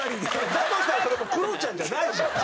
だとしたらそれもうクロちゃんじゃないじゃん！